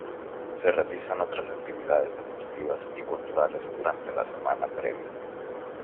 Se realizan otras actividades deportivas y culturales durante la semana previa.